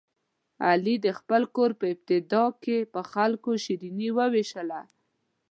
علي د خپل کور په ابتدا کې په خلکو شیریني ووېشله.